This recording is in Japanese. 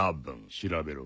調べろ。